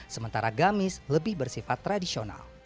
sementara gamis lebih bersifat tradisional